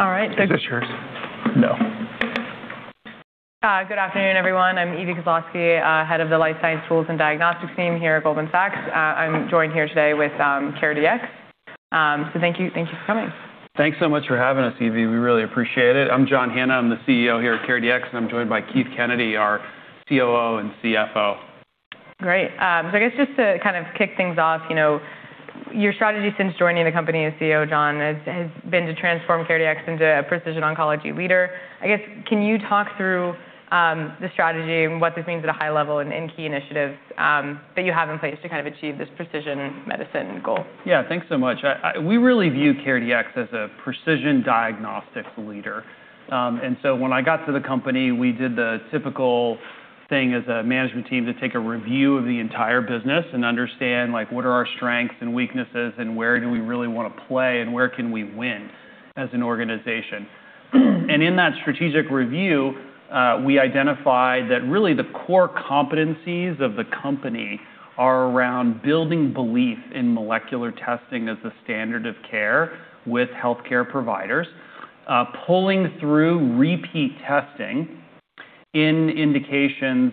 All right, thank you. Is this yours? No. Good afternoon, everyone. I'm Evie Kozlowski, head of the life science tools and diagnostics team here at Goldman Sachs. I'm joined here today with CareDx. Thank you for coming. Thanks so much for having us, Evie. We really appreciate it. I'm John Hanna. I'm the CEO here at CareDx, and I'm joined by Keith Kennedy, our COO and CFO. Great. Just to kick things off, your strategy since joining the company as CEO, John, has been to transform CareDx into a precision oncology leader. Can you talk through the strategy and what this means at a high level and any key initiatives that you have in place to achieve this precision medicine goal? Yeah. Thanks so much. We really view CareDx as a precision diagnostics leader. When I got to the company, we did the typical thing as a management team to take a review of the entire business and understand what are our strengths and weaknesses, where do we really want to play, and where can we win as an organization. In that strategic review, we identified that really the core competencies of the company are around building belief in molecular testing as a standard of care with healthcare providers, pulling through repeat testing in indications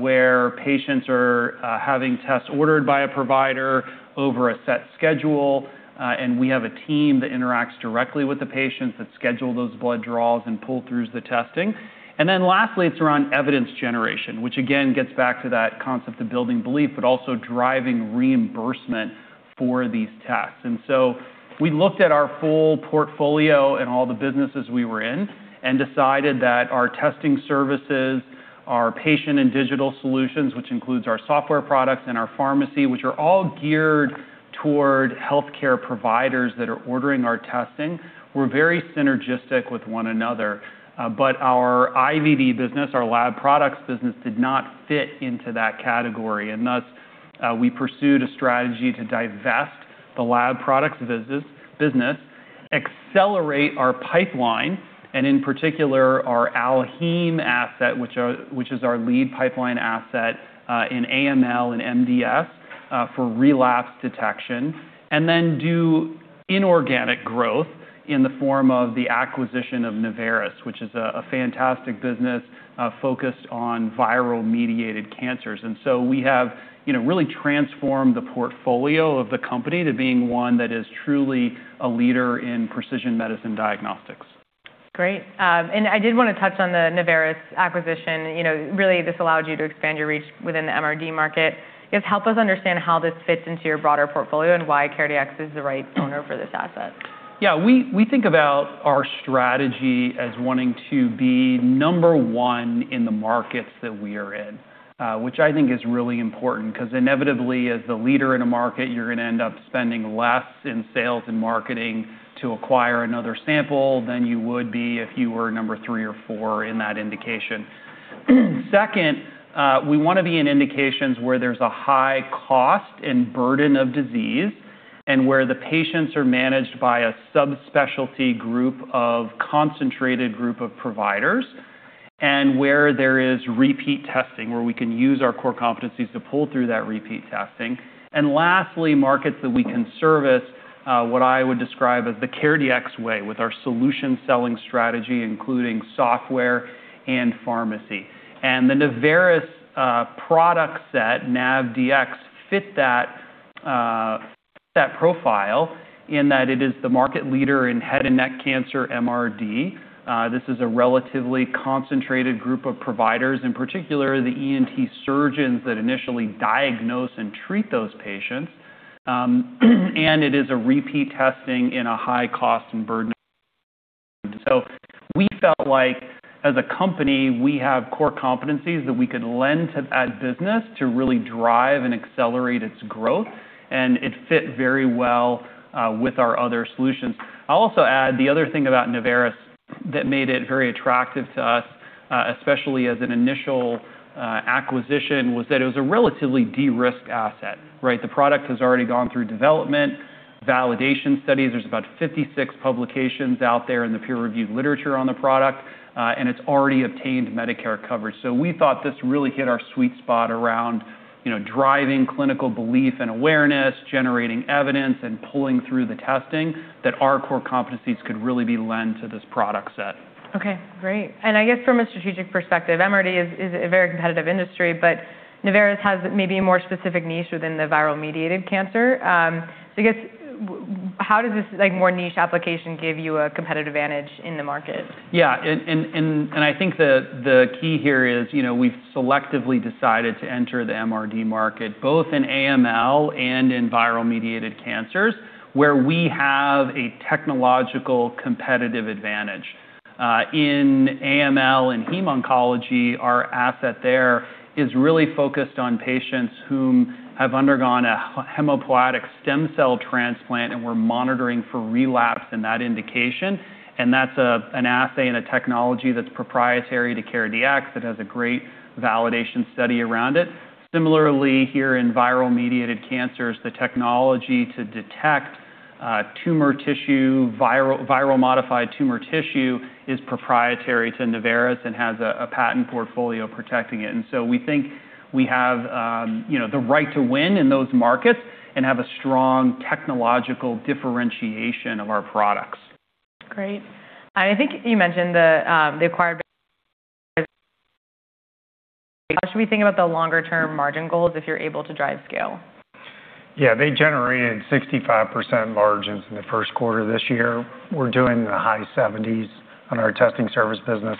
where patients are having tests ordered by a provider over a set schedule, and we have a team that interacts directly with the patients that schedule those blood draws and pull through the testing. Lastly, it's around evidence generation, which again gets back to that concept of building belief, also driving reimbursement for these tests. We looked at our full portfolio and all the businesses we were in and decided that our testing services, our patient and digital solutions, which includes our software products and our pharmacy, which are all geared toward healthcare providers that are ordering our testing, were very synergistic with one another. Our IVD business, our lab products business, did not fit into that category. Thus, we pursued a strategy to divest the lab products business, accelerate our pipeline, in particular, our AlloHeme asset, which is our lead pipeline asset, in AML and MDS for relapse detection, then do inorganic growth in the form of the acquisition of Naveris, which is a fantastic business focused on viral-mediated cancers. We have really transformed the portfolio of the company to being one that is truly a leader in precision medicine diagnostics. I did want to touch on the Naveris acquisition. Really, this allowed you to expand your reach within the MRD market. I guess, help us understand how this fits into your broader portfolio and why CareDx is the right owner for this asset. Yeah. We think about our strategy as wanting to be number one in the markets that we are in, which I think is really important, because inevitably, as the leader in a market, you're going to end up spending less in sales and marketing to acquire another sample than you would be if you were number three or four in that indication. Second, we want to be in indications where there's a high cost and burden of disease and where the patients are managed by a subspecialty group of concentrated group of providers, and where there is repeat testing, where we can use our core competencies to pull through that repeat testing. Lastly, markets that we can service, what I would describe as the CareDx way, with our solution-selling strategy, including software and pharmacy. The Naveris product set, NavDx, fit that profile in that it is the market leader in head and neck cancer MRD. This is a relatively concentrated group of providers, in particular the ENT surgeons that initially diagnose and treat those patients. It is a repeat testing in a high cost and burden. We felt like as a company, we have core competencies that we could lend to that business to really drive and accelerate its growth, and it fit very well with our other solutions. I'll also add, the other thing about Naveris that made it very attractive to us, especially as an initial acquisition, was that it was a relatively de-risked asset. Right? The product has already gone through development, validation studies. There's about 56 publications out there in the peer-reviewed literature on the product, and it's already obtained Medicare coverage. We thought this really hit our sweet spot around driving clinical belief and awareness, generating evidence, and pulling through the testing that our core competencies could really be lent to this product set. Okay, great. I guess from a strategic perspective, MRD is a very competitive industry, Naveris has maybe a more specific niche within the viral-mediated cancer. I guess, how does this more niche application give you a competitive advantage in the market? Yeah. I think the key here is we've selectively decided to enter the MRD market, both in AML and in viral-mediated cancers, where we have a technological competitive advantage. In AML and hem oncology, our asset there is really focused on patients who have undergone a hematopoietic stem cell transplant, and we're monitoring for relapse in that indication, and that's an assay and a technology that's proprietary to CareDx that has a great validation study around it. Similarly, here in viral-mediated cancers, the technology to detect tumor tissue, viral-modified tumor tissue, is proprietary to Naveris and has a patent portfolio protecting it. We think we have the right to win in those markets and have a strong technological differentiation of our products. Great. I think you mentioned the acquired. How should we think about the longer-term margin goals if you're able to drive scale? Yeah, they generated 65% margins in the first quarter of this year. We're doing in the high 70s on our testing service business,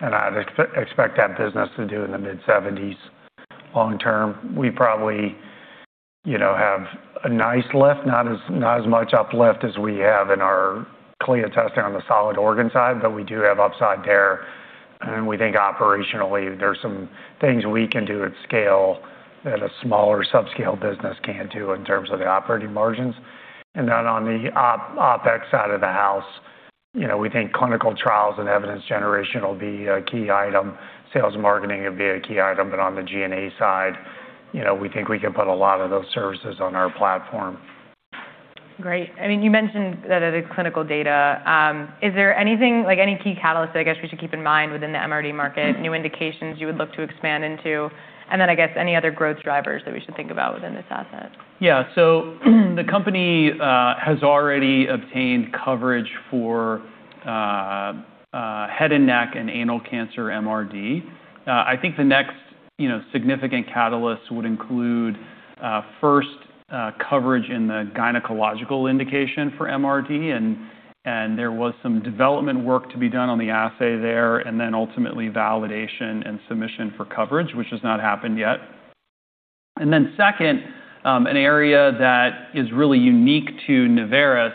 I'd expect that business to do in the mid-70s long term. We probably have a nice lift, not as much uplift as we have in our CLIA testing on the solid organ side, we do have upside there. We think operationally, there's some things we can do at scale that a smaller sub-scale business can't do in terms of the operating margins. On the OpEx side of the house, we think clinical trials and evidence generation will be a key item. Sales and marketing will be a key item. On the G&A side, we think we can put a lot of those services on our platform. Great. You mentioned the clinical data. Is there any key catalyst that I guess we should keep in mind within the MRD market, new indications you would look to expand into? I guess, any other growth drivers that we should think about within this asset? The company has already obtained coverage for head and neck and anal cancer MRD. I think the next significant catalyst would include, first, coverage in the gynecological indication for MRD. There was some development work to be done on the assay there, ultimately validation and submission for coverage, which has not happened yet. Second, an area that is really unique to Naveris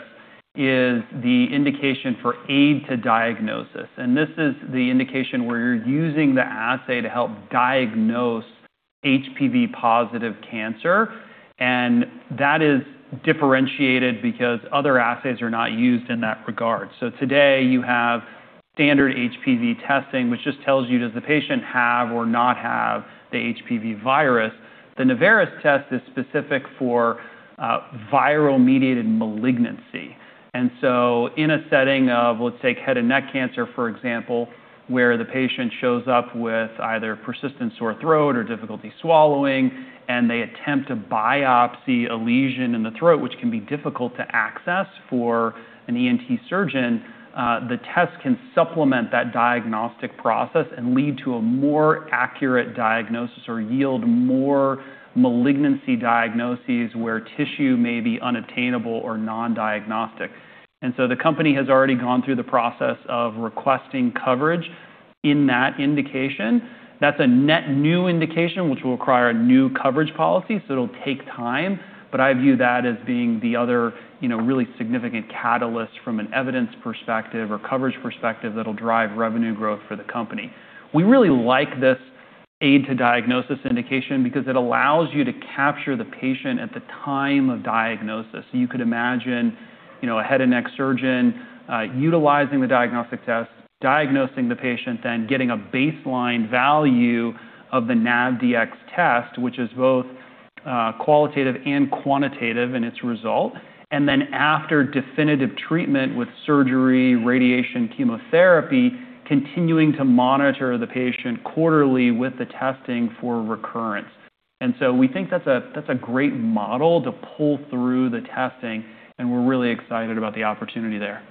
is the indication for aid to diagnosis. This is the indication where you're using the assay to help diagnose HPV-positive cancer, and that is differentiated because other assays are not used in that regard. Today you have standard HPV testing, which just tells you, does the patient have or not have the HPV virus? The Naveris test is specific for viral-mediated malignancy. In a setting of, let's take head and neck cancer, for example, where the patient shows up with either a persistent sore throat or difficulty swallowing, and they attempt to biopsy a lesion in the throat, which can be difficult to access for an ENT surgeon. The test can supplement that diagnostic process and lead to a more accurate diagnosis or yield more malignancy diagnoses where tissue may be unattainable or non-diagnostic. The company has already gone through the process of requesting coverage in that indication. That's a net new indication which will require a new coverage policy, it'll take time. I view that as being the other really significant catalyst from an evidence perspective or coverage perspective that'll drive revenue growth for the company. We really like this aid to diagnosis indication because it allows you to capture the patient at the time of diagnosis. You could imagine a head and neck surgeon utilizing the diagnostic test, diagnosing the patient, then getting a baseline value of the NavDx test, which is both qualitative and quantitative in its result. After definitive treatment with surgery, radiation, chemotherapy, continuing to monitor the patient quarterly with the testing for recurrence. We think that's a great model to pull through the testing, and we're really excited about the opportunity there.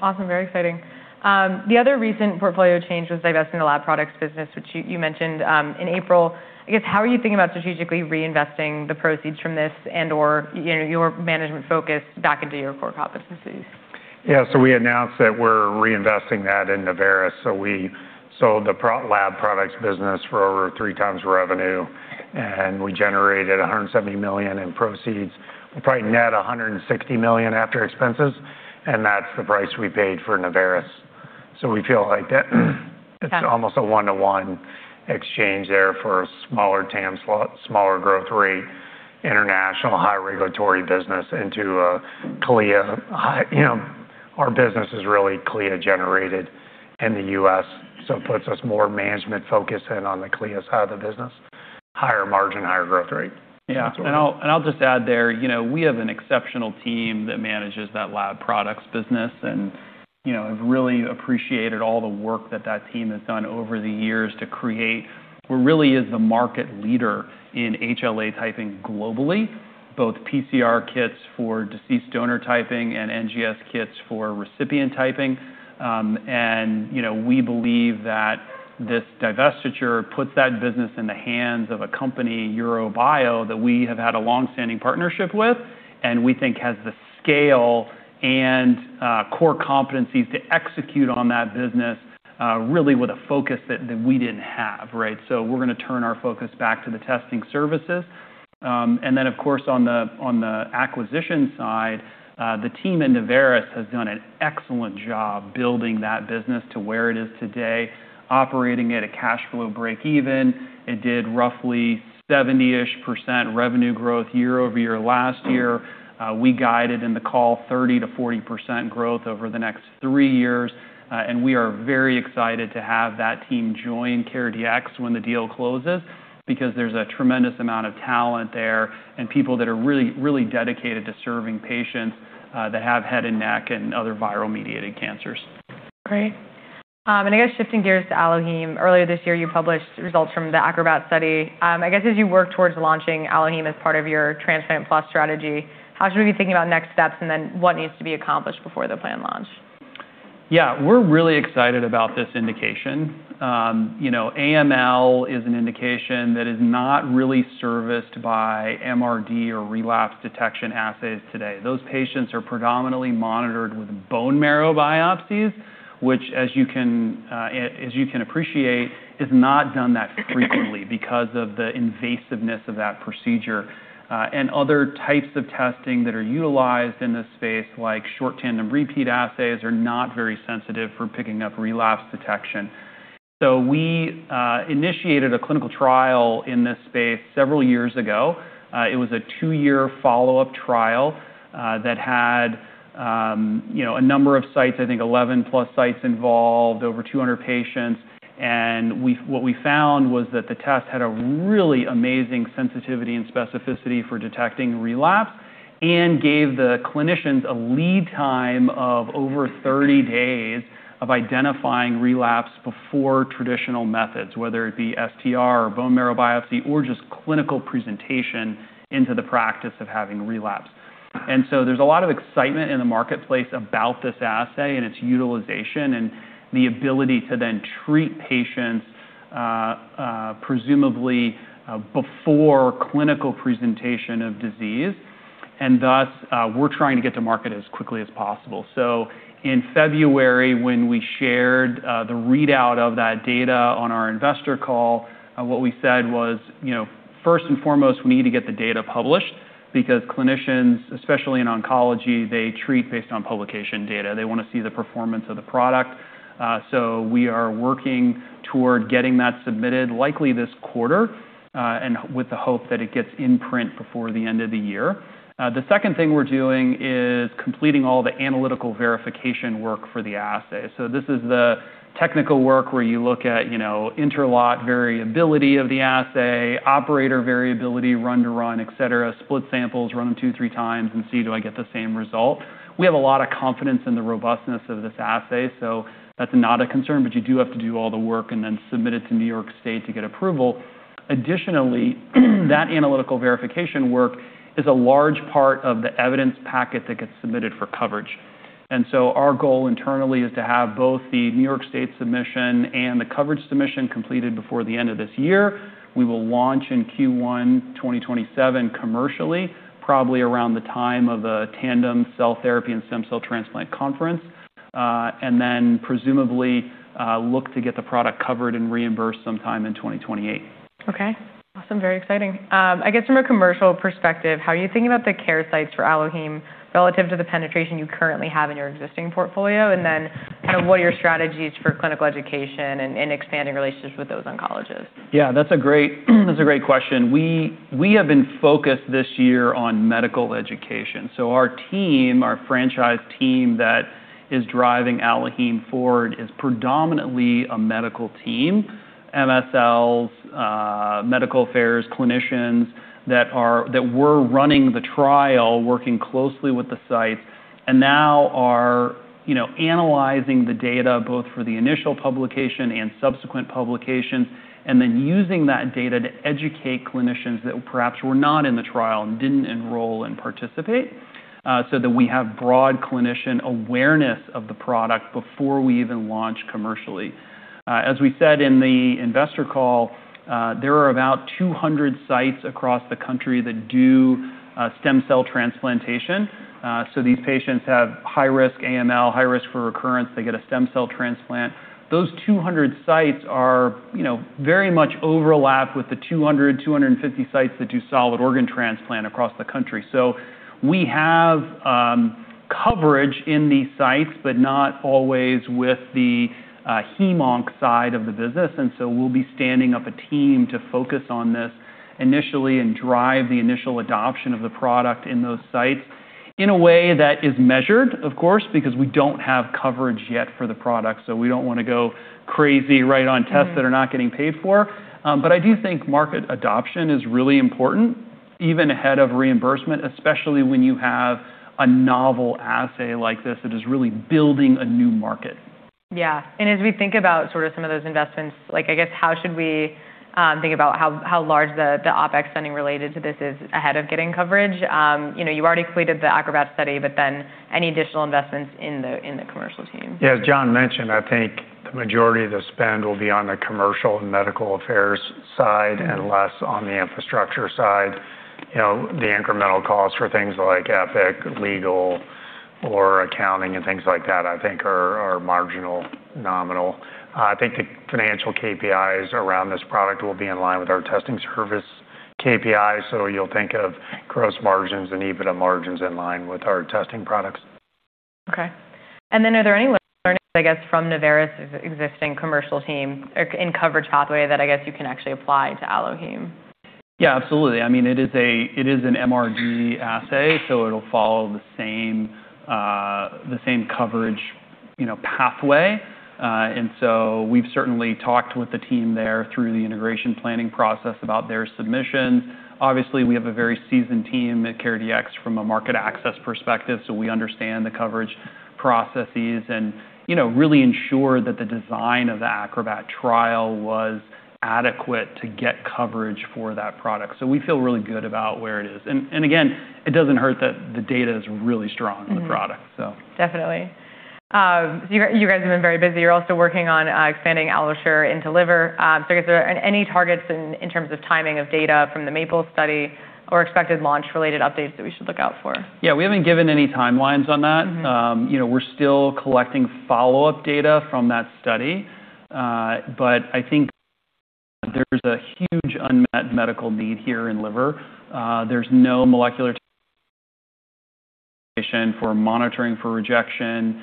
Awesome. Very exciting. The other recent portfolio change was divesting the lab products business, which you mentioned in April. I guess, how are you thinking about strategically reinvesting the proceeds from this and/or your management focus back into your core competencies? Yeah. We announced that we're reinvesting that in Naveris. We sold the lab products business for over three times revenue, and we generated $170 million in proceeds. We'll probably net $160 million after expenses, and that's the price we paid for Naveris. We feel like that it's almost a one-to-one exchange there for a smaller TAM, smaller growth rate, international, high regulatory business into a CLIA. Our business is really CLIA generated in the U.S., so it puts us more management focus in on the CLIA side of the business, higher margin, higher growth rate. Yeah. I'll just add there, we have an exceptional team that manages that lab products business, and I've really appreciated all the work that that team has done over the years to create what really is the market leader in HLA typing globally, both PCR kits for deceased donor typing and NGS kits for recipient typing. We believe that this divestiture puts that business in the hands of a company, Eurobio Scientific, that we have had a long-standing partnership with, and we think has the scale and core competencies to execute on that business, really with a focus that we didn't have. We're going to turn our focus back to the testing services. Then, of course, on the acquisition side, the team in Naveris has done an excellent job building that business to where it is today, operating at a cash flow breakeven. It did roughly 70%-ish revenue growth year-over-year last year. We guided in the call 30%-40% growth over the next three years. We are very excited to have that team join CareDx when the deal closes because there's a tremendous amount of talent there and people that are really dedicated to serving patients that have head and neck and other viral-mediated cancers. Great. Shifting gears to AlloHeme. Earlier this year, you published results from the ACROBAT study. As you work towards launching AlloHeme as part of your Transplant+ strategy, how should we be thinking about next steps, and what needs to be accomplished before the planned launch? We're really excited about this indication. AML is an indication that is not really serviced by MRD or relapse detection assays today. Those patients are predominantly monitored with bone marrow biopsies, which as you can appreciate, is not done that frequently because of the invasiveness of that procedure. Other types of testing that are utilized in this space, like short tandem repeat assays, are not very sensitive for picking up relapse detection. We initiated a clinical trial in this space several years ago. It was a two-year follow-up trial that had a number of sites, I think 11+ sites involved, over 200 patients. What we found was that the test had a really amazing sensitivity and specificity for detecting relapse and gave the clinicians a lead time of over 30 days of identifying relapse before traditional methods, whether it be STR or bone marrow biopsy or just clinical presentation into the practice of having relapse. There's a lot of excitement in the marketplace about this assay and its utilization and the ability to then treat patients, presumably before clinical presentation of disease. Thus, we're trying to get to market as quickly as possible. In February, when we shared the readout of that data on our investor call, what we said was, first and foremost, we need to get the data published because clinicians, especially in oncology, they treat based on publication data. They want to see the performance of the product. We are working toward getting that submitted likely this quarter, and with the hope that it gets in print before the end of the year. The second thing we're doing is completing all the analytical verification work for the assay. This is the technical work where you look at inter-lot variability of the assay, operator variability, run-to-run, et cetera, split samples, run them two, three times, and see, do I get the same result? We have a lot of confidence in the robustness of this assay, so that's not a concern. You do have to do all the work and then submit it to New York State to get approval. Additionally, that analytical verification work is a large part of the evidence packet that gets submitted for coverage. Our goal internally is to have both the New York State submission and the coverage submission completed before the end of this year. We will launch in Q1 2027 commercially, probably around the time of a tandem cell therapy and stem cell transplant conference, then presumably look to get the product covered and reimbursed sometime in 2028. Okay. Awesome. Very exciting. I guess from a commercial perspective, how are you thinking about the care sites for AlloHeme relative to the penetration you currently have in your existing portfolio? What are your strategies for clinical education and expanding relationships with those oncologists? Yeah, that's a great question. We have been focused this year on medical education. Our team, our franchise team that is driving AlloHeme forward, is predominantly a medical team, MSLs, medical affairs clinicians that were running the trial, working closely with the sites, and now are analyzing the data both for the initial publication and subsequent publications, then using that data to educate clinicians that perhaps were not in the trial and didn't enroll and participate, so that we have broad clinician awareness of the product before we even launch commercially. As we said in the investor call, there are about 200 sites across the country that do stem cell transplantation. These patients have high-risk AML, high risk for recurrence. They get a stem cell transplant. Those 200 sites are very much overlapped with the 200, 250 sites that do solid organ transplant across the country. We have coverage in these sites, but not always with the hemonc side of the business, we'll be standing up a team to focus on this initially and drive the initial adoption of the product in those sites in a way that is measured, of course, because we don't have coverage yet for the product. We don't want to go crazy right on tests that are not getting paid for. I do think market adoption is really important, even ahead of reimbursement, especially when you have a novel assay like this that is really building a new market. As we think about sort of some of those investments, I guess, how should we think about how large the OpEx spending related to this is ahead of getting coverage? You already completed the ACROBAT study, any additional investments in the commercial team. John mentioned, I think the majority of the spend will be on the commercial and medical affairs side and less on the infrastructure side. The incremental costs for things like Epic legal or accounting and things like that, I think are marginal, nominal. I think the financial KPIs around this product will be in line with our testing service KPIs. You'll think of gross margins and EBITDA margins in line with our testing products. Okay. Are there any learnings, I guess, from Naveris' existing commercial team in coverage pathway that I guess you can actually apply to AlloHeme? Absolutely. It is an MRD assay, it'll follow the same coverage pathway. We've certainly talked with the team there through the integration planning process about their submission. Obviously, we have a very seasoned team at CareDx from a market access perspective, we understand the coverage processes and really ensure that the design of the ACROBAT trial was adequate to get coverage for that product. We feel really good about where it is. Again, it doesn't hurt that the data is really strong on the product. Definitely. You guys have been very busy. You're also working on expanding AlloSure into liver. I guess, are there any targets in terms of timing of data from the MAPLE study or expected launch-related updates that we should look out for? Yeah, we haven't given any timelines on that. We're still collecting follow-up data from that study. I think there's a huge unmet medical need here in liver. There's no molecular testing for monitoring for rejection.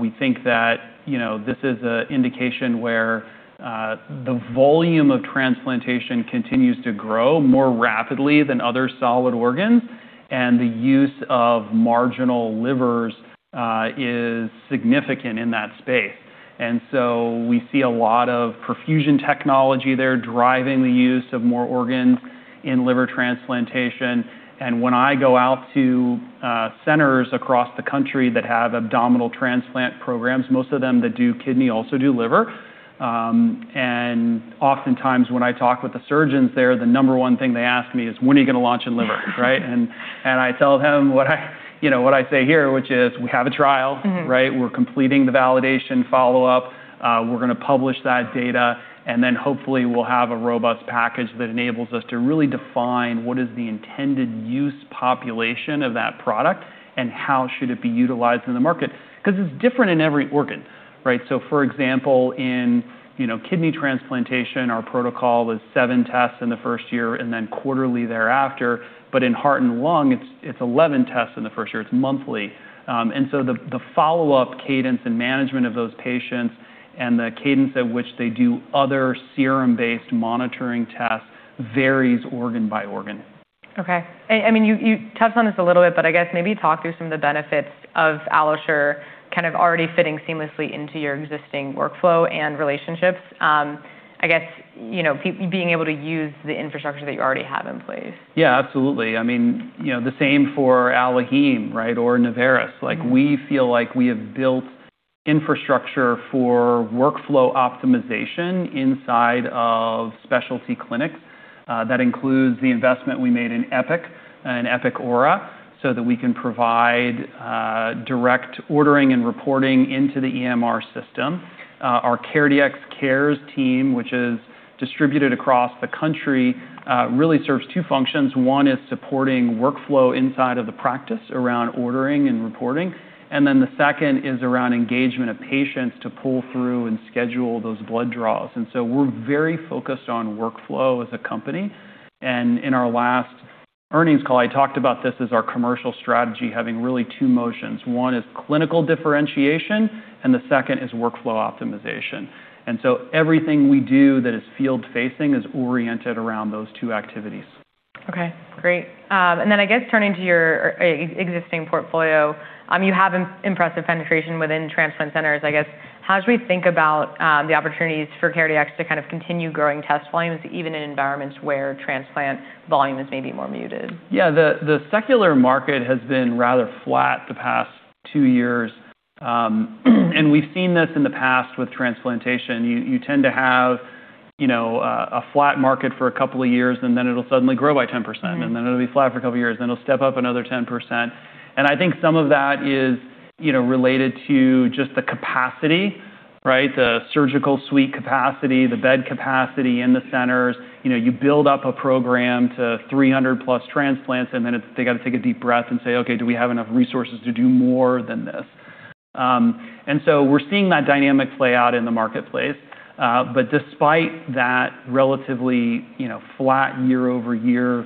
We think that this is an indication where the volume of transplantation continues to grow more rapidly than other solid organs, and the use of marginal livers is significant in that space. We see a lot of perfusion technology there driving the use of more organs in liver transplantation, and when I go out to centers across the country that have abdominal transplant programs, most of them that do kidney also do liver. Oftentimes when I talk with the surgeons there, the number one thing they ask me is, "When are you going to launch in liver?" Right? Yeah. I tell them what I say here, which is, "We have a trial. Right. We're completing the validation follow-up. We're going to publish that data. Hopefully we'll have a robust package that enables us to really define what is the intended use population of that product and how should it be utilized in the market. It's different in every organ, right? For example, in kidney transplantation, our protocol is seven tests in the first year and then quarterly thereafter. But in heart and lung, it's 11 tests in the first year. It's monthly. The follow-up cadence and management of those patients and the cadence at which they do other serum-based monitoring tests varies organ by organ. Okay. You touched on this a little bit, I guess maybe talk through some of the benefits of AlloSure already fitting seamlessly into your existing workflow and relationships. I guess, being able to use the infrastructure that you already have in place. Yeah, absolutely. The same for AlloHeme, right, or Naveris. We feel like we have built infrastructure for workflow optimization inside of specialty clinics. That includes the investment we made in Epic and Epic Aura so that we can provide direct ordering and reporting into the EMR system. Our CareDx CARES team, which is distributed across the country, really serves two functions. One is supporting workflow inside of the practice around ordering and reporting. The second is around engagement of patients to pull through and schedule those blood draws. We're very focused on workflow as a company, and in our last earnings call, I talked about this as our commercial strategy having really two motions. One is clinical differentiation and the second is workflow optimization. Everything we do that is field-facing is oriented around those two activities. Okay, great. I guess turning to your existing portfolio, you have impressive penetration within transplant centers. I guess, how should we think about the opportunities for CareDx to continue growing test volumes, even in environments where transplant volume is maybe more muted? Yeah, the secular market has been rather flat the past two years, we've seen this in the past with transplantation. You tend to have a flat market for a couple of years, it'll suddenly grow by 10%. It'll be flat for a couple of years, it'll step up another 10%. I think some of that is related to just the capacity, right? The surgical suite capacity, the bed capacity in the centers. You build up a program to 300+ transplants, then they've got to take a deep breath and say, "Okay, do we have enough resources to do more than this?" We're seeing that dynamic play out in the marketplace. Despite that relatively flat year-over-year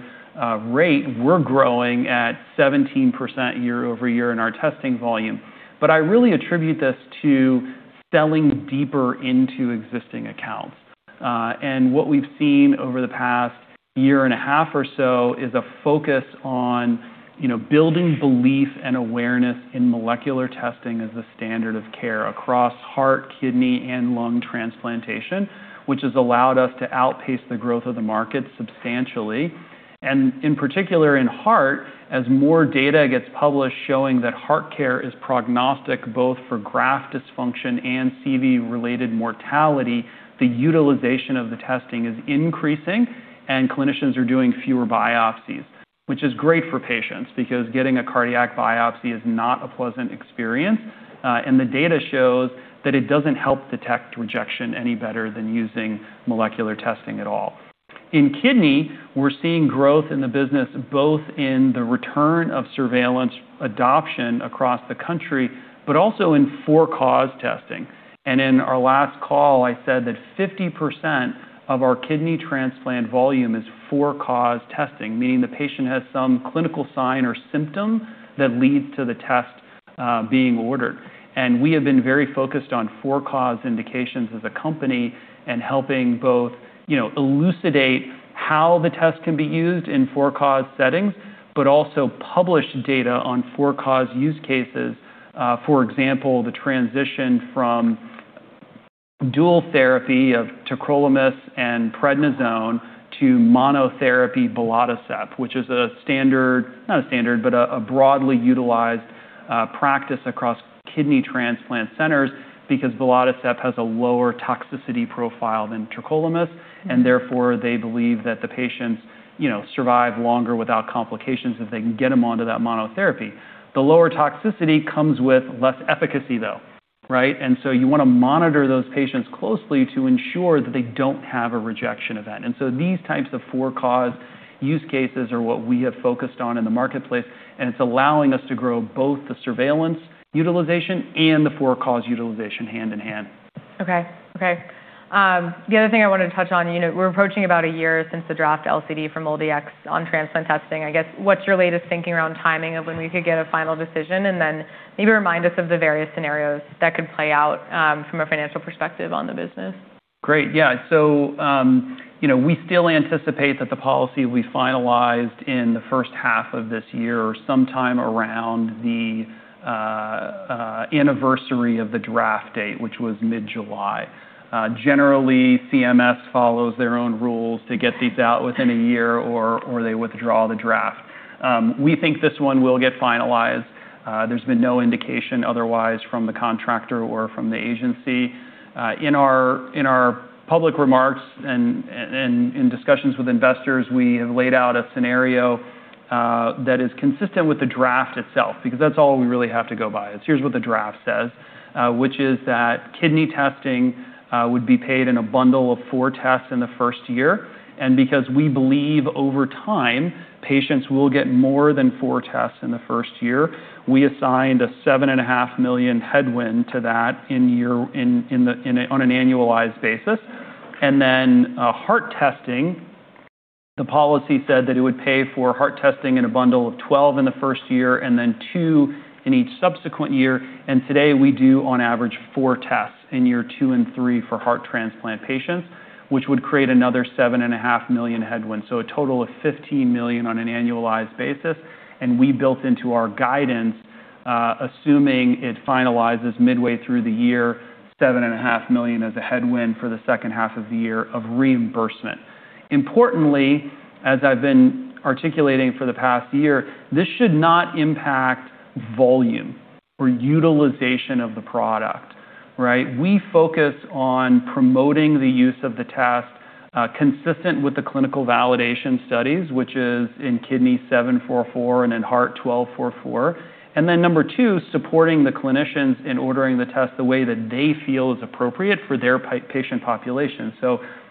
rate, we're growing at 17% year-over-year in our testing volume. I really attribute this to selling deeper into existing accounts. What we've seen over the past year and a half or so is a focus on building belief and awareness in molecular testing as a standard of care across heart, kidney, and lung transplantation, which has allowed us to outpace the growth of the market substantially. In particular in heart, as more data gets published showing that HeartCare is prognostic both for graft dysfunction and CV-related mortality, the utilization of the testing is increasing, and clinicians are doing fewer biopsies, which is great for patients because getting a cardiac biopsy is not a pleasant experience. The data shows that it doesn't help detect rejection any better than using molecular testing at all. In kidney, we're seeing growth in the business both in the return of surveillance adoption across the country, but also in for-cause testing. In our last call, I said that 50% of our kidney transplant volume is for-cause testing, meaning the patient has some clinical sign or symptom that leads to the test being ordered. We have been very focused on for-cause indications as a company and helping both elucidate how the test can be used in for-cause settings, but also publish data on for-cause use cases. For example, the transition from dual therapy of tacrolimus and prednisone to monotherapy belatacept, which is a broadly utilized practice across kidney transplant centers because belatacept has a lower toxicity profile than tacrolimus, and therefore they believe that the patients survive longer without complications if they can get them onto that monotherapy. The lower toxicity comes with less efficacy, though. Right? You want to monitor those patients closely to ensure that they don't have a rejection event. These types of for-cause use cases are what we have focused on in the marketplace, and it's allowing us to grow both the surveillance utilization and the for-cause utilization hand-in-hand. Okay. The other thing I wanted to touch on, we're approaching about a year since the draft LCD from MolDx on transplant testing. I guess, what's your latest thinking around timing of when we could get a final decision? Maybe remind us of the various scenarios that could play out, from a financial perspective, on the business. Great. Yeah. We still anticipate that the policy will be finalized in the first half of this year or sometime around the anniversary of the draft date, which was mid-July. Generally, CMS follows their own rules to get these out within a year or they withdraw the draft. We think this one will get finalized. There's been no indication otherwise from the contractor or from the agency. In our public remarks and in discussions with investors, we have laid out a scenario that is consistent with the draft itself, because that's all we really have to go by. It's here's what the draft says, which is that kidney testing would be paid in a bundle of four tests in the first year. Because we believe over time, patients will get more than four tests in the first year, we assigned a $7.5 million headwind to that on an annualized basis. Heart testing, the policy said that it would pay for heart testing in a bundle of 12 in the first year, then two in each subsequent year. Today, we do, on average, four tests in year two and three for heart transplant patients, which would create another $7.5 million headwind. A total of $15 million on an annualized basis. We built into our guidance, assuming it finalizes midway through the year, $7.5 million as a headwind for the second half of the year of reimbursement. Importantly, as I've been articulating for the past year, this should not impact volume or utilization of the product. Right. We focus on promoting the use of the test, consistent with the clinical validation studies, which is in kidney 744 and in heart 1244. Number two, supporting the clinicians in ordering the test the way that they feel is appropriate for their patient population.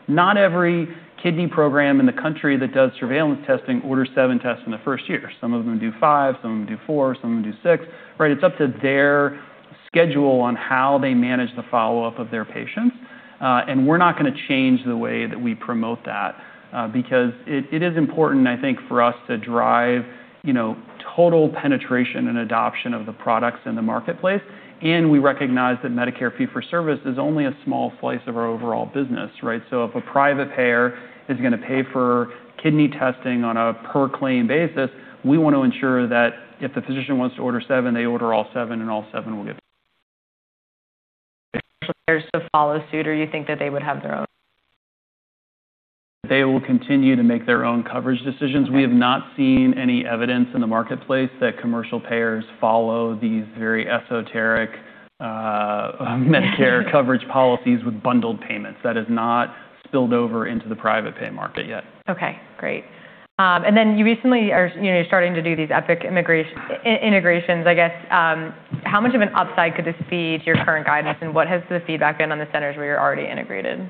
Not every kidney program in the country that does surveillance testing orders seven tests in the first year. Some of them do five, some of them do four, some of them do six. Right. It's up to their schedule on how they manage the follow-up of their patients. We're not going to change the way that we promote that, because it is important, I think, for us to drive total penetration and adoption of the products in the marketplace. We recognize that Medicare fee-for-service is only a small slice of our overall business, right. If a private payer is going to pay for kidney testing on a per claim basis, we want to ensure that if the physician wants to order seven, they order all seven and all seven will get. To follow suit, or you think that they would have their own? They will continue to make their own coverage decisions. Okay. We have not seen any evidence in the marketplace that commercial payers follow these very esoteric Medicare coverage policies with bundled payments. That has not spilled over into the private pay market yet. Okay, great. Then you recently are starting to do these Epic integrations, I guess. How much of an upside could this be to your current guidance, and what has the feedback been on the centers where you are already integrated?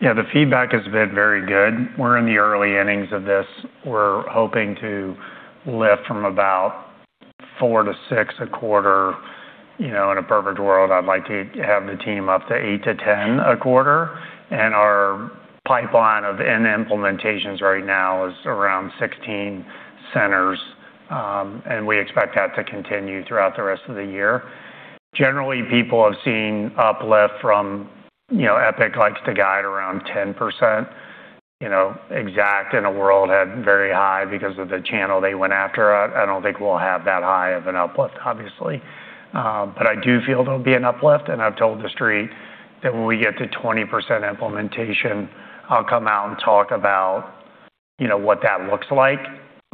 Yeah, the feedback has been very good. We are in the early innings of this. We are hoping to lift from about four to six a quarter. In a perfect world, I would like to have the team up to eight to 10 a quarter. Our pipeline of end implementations right now is around 16 centers, and we expect that to continue throughout the rest of the year. Generally, people have seen uplift. Epic likes to guide around 10%, Exact Sciences in a world headed very high because of the channel they went after. I do not think we will have that high of an uplift, obviously. I do feel there will be an uplift, and I have told the Street that when we get to 20% implementation, I will come out and talk about what that looks like.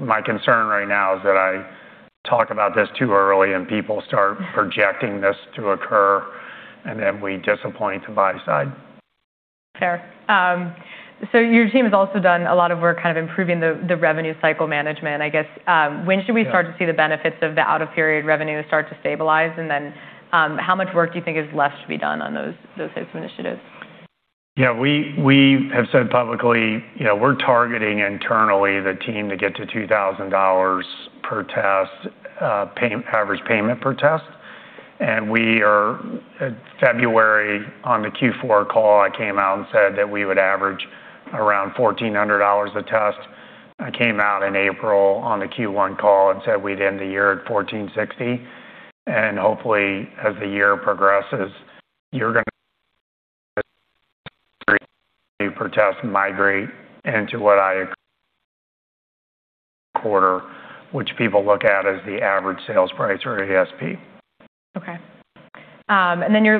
My concern right now is that I talk about this too early and people start projecting this to occur, and then we disappoint the buy side. Fair. Your team has also done a lot of work kind of improving the revenue cycle management, I guess. When should we- Yeah. Start to see the benefits of the out-of-period revenue start to stabilize? How much work do you think is left to be done on those types of initiatives? Yeah. We have said publicly, we're targeting internally the team to get to $2,000 per test, average payment per test. February, on the Q4 call, I came out and said that we would average around $1,400 a test. I came out in April on the Q1 call and said we'd end the year at $1,460. Hopefully, as the year progresses, you're going to-- per test migrate into what [I-- quarter], which people look at as the average sales price or ASP.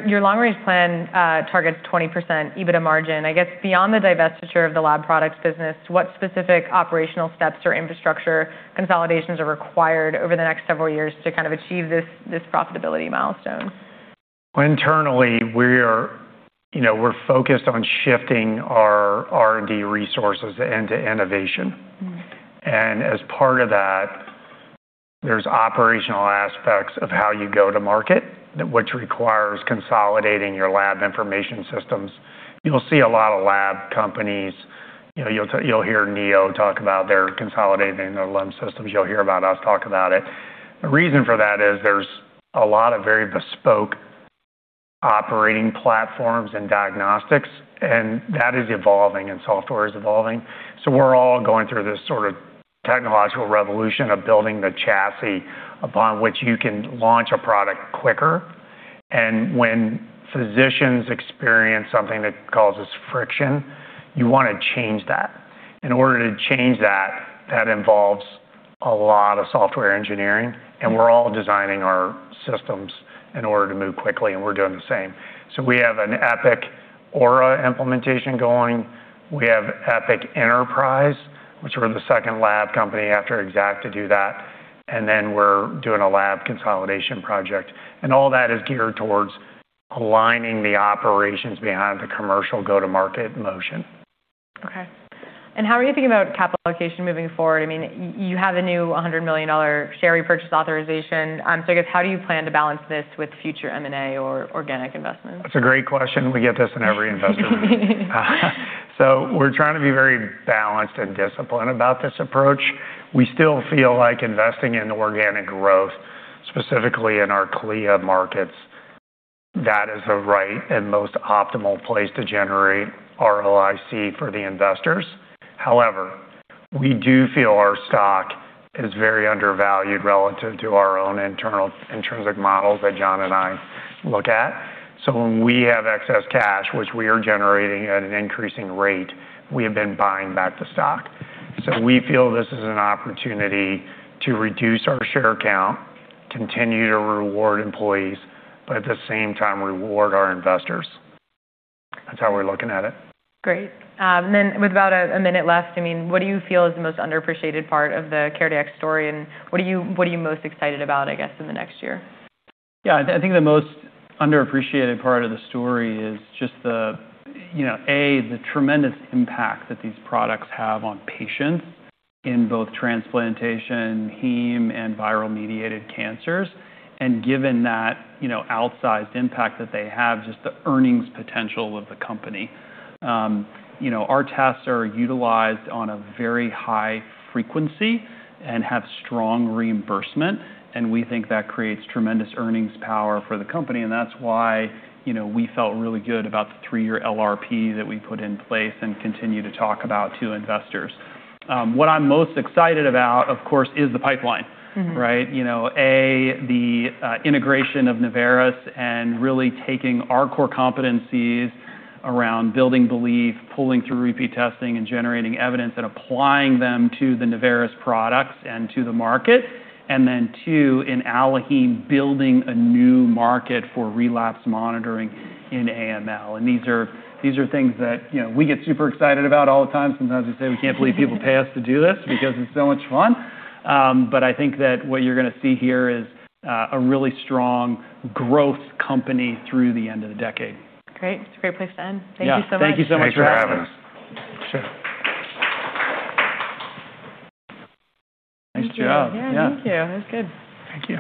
Your long-range plan targets 20% EBITDA margin. I guess beyond the divestiture of the lab products business, what specific operational steps or infrastructure consolidations are required over the next several years to kind of achieve this profitability milestone? Internally, we're focused on shifting our R&D resources into innovation As part of that, there's operational aspects of how you go to market, which requires consolidating your lab information systems. You'll see a lot of lab companies, you'll hear Neo talk about they're consolidating their LIMS systems. You'll hear about us talk about it. The reason for that is there's a lot of very bespoke operating platforms and diagnostics, and that is evolving, and software is evolving. We're all going through this sort of technological revolution of building the chassis upon which you can launch a product quicker. When physicians experience something that causes friction, you want to change that. In order to change that involves a lot of software engineering, and we're all designing our systems in order to move quickly, and we're doing the same. We have an Epic Aura implementation going. We have Epic Enterprise, which we're the second lab company after Exact to do that. We're doing a lab consolidation project, and all that is geared towards aligning the operations behind the commercial go-to-market motion. Okay. How are you thinking about capital allocation moving forward? You have a new $100 million share repurchase authorization, I guess, how do you plan to balance this with future M&A or organic investments? That's a great question. We get this in every investor meeting. We're trying to be very balanced and disciplined about this approach. We still feel like investing in organic growth, specifically in our CLIA markets, that is the right and most optimal place to generate ROIC for the investors. However, we do feel our stock is very undervalued relative to our own intrinsic models that John and I look at. When we have excess cash, which we are generating at an increasing rate, we have been buying back the stock. We feel this is an opportunity to reduce our share count, continue to reward employees, but at the same time, reward our investors. That's how we're looking at it. Great. With about a minute left, what do you feel is the most underappreciated part of the CareDx story, and what are you most excited about, I guess, in the next year? Yeah. I think the most underappreciated part of the story is just, A, the tremendous impact that these products have on patients in both transplantation, heme, and viral-mediated cancers. Given that outsized impact that they have, just the earnings potential of the company. Our tests are utilized on a very high frequency and have strong reimbursement, we think that creates tremendous earnings power for the company, and that's why we felt really good about the three-year LRP that we put in place and continue to talk about to investors. What I'm most excited about, of course, is the pipeline. Right? The integration of Naveris and really taking our core competencies around building belief, pulling through repeat testing, and generating evidence, and applying them to the Naveris products and to the market. Then two, in AlloHeme, building a new market for relapse monitoring in AML. These are things that we get super excited about all the time. Sometimes we say we can't believe people pay us to do this because it's so much fun. I think that what you're going to see here is a really strong growth company through the end of the decade. Great. That's a great place to end. Thank you so much. Yeah. Thank you so much for having us. Thanks for having us. Sure. Nice job. Yeah. Thank you. That was good. Thank you.